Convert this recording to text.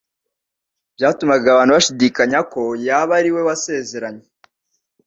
byatumaga abantu bashidikanya ko yaba ari we wasezeranywe.